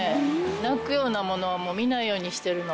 泣くようなものは、もう見ないようにしてるの。